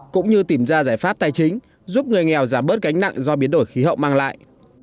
cũng như tìm ra giải pháp tài chính giúp người nghèo giảm bớt gánh nặng do biến đổi khí hậu mang lại